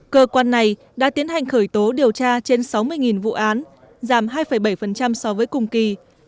cơ quan này đã tiến hành khởi tố điều tra trên sáu mươi vụ án giảm hai bảy so với cùng kỳ